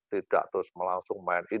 tidak harus melangsung main